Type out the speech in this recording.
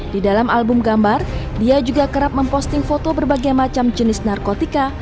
di dalam album gambar dia juga kerap memposting foto berbagai macam jenis narkotika